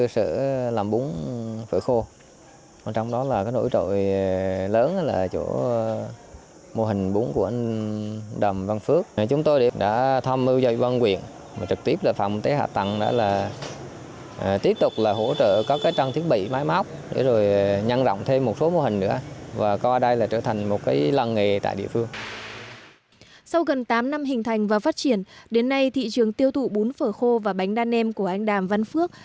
sau gần tám năm hình thành và phát triển đến nay thị trường tiêu thụ bún phở khô và bánh đa nem của anh đàm văn phước